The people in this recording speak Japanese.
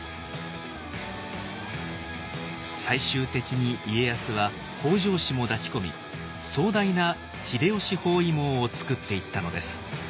最終的に家康は北条氏も抱き込み壮大な秀吉包囲網を作っていったのです。